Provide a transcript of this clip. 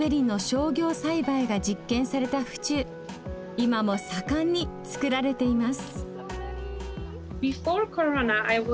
今も盛んに作られています。